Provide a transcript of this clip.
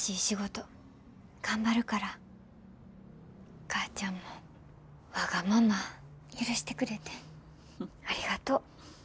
お母ちゃんもわがまま許してくれてありがとう。